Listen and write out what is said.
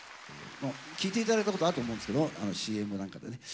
聴いて頂いたことあると思うんですけどＣＭなんかでね。